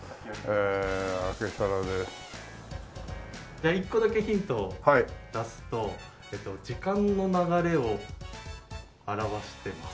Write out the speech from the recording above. じゃあ１個だけヒントを出すと時間の流れを表してます。